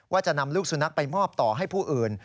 ว่าจะนำลูกสุนัขไปมอบต่อให้ผู้อื่น